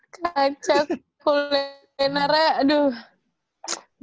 kacet puluh deneran aduh